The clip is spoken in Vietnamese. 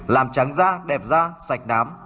làm trắng da đẹp da sạch nám